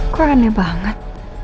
kok aneh banget